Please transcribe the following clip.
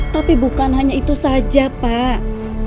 tapi bukan hanya itu saja pak